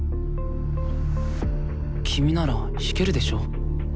君なら弾けるでしょ。